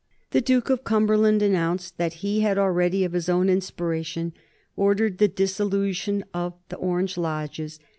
The Duke of Cumberland announced that he had already, of his own inspiration, ordered the dissolution of the Orange lodges.